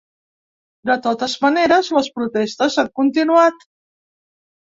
De totes maneres, les protestes han continuat.